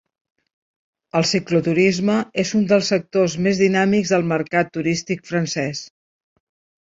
El cicloturisme és un dels sectors més dinàmics del mercat turístic francès.